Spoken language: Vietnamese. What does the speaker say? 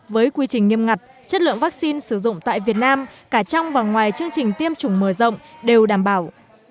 với quy trình nghiêm ngặt chất lượng vaccine sử dụng tại việt nam cả trong và ngoài chương trình tiêm chủng mở rộng đều đảm bảo